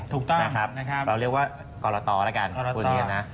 ถูกต้องเราเรียกว่ากรตละกันคุณเรียนนะ